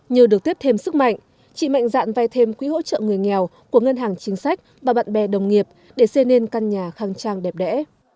như được tiếp thêm sức mạnh chị mạnh dạn vay thêm quỹ hỗ trợ người nghèo của ngân hàng chính sách và bạn bè đồng nghiệp để xây nên căn nhà khang trang đẹp đẽ